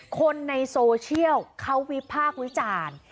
คนในโซเชียลเขาวิภาควิจาร